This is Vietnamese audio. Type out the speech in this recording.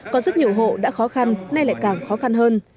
còn rất nhiều hộ đã khó khăn nay lại càng khó khăn hơn